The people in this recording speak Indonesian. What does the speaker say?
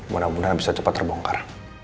mudah mudahan bisa cepat terbongkar